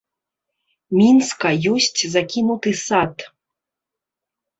Мінска ёсць закінуты сад.